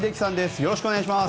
よろしくお願いします。